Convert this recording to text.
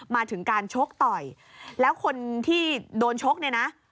มาถึงการชกต่อยแล้วคนที่โดนชกเนี่ยนะ